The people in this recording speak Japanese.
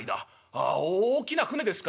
「ああ大きな船ですか？